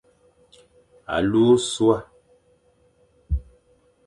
Alu ôsua.